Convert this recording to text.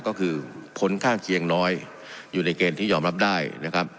ก็คือผลข้างเคียงน้อยอยู่ในเกณฑ์ที่ยอมรับได้นะครับ